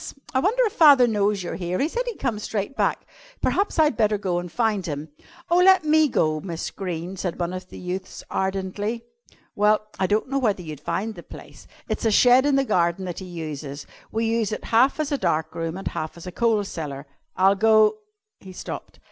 I wonder if father knows you're here. He said he'd come straight back. Perhaps I'd better go and find him." "Oh, let me go, Miss Greene," said one of the youths ardently. "Well, I don't know whether you'd find the place. It's a shed in the garden that he uses. We use half as a dark room and half as a coal cellar." "I'll go " He stopped.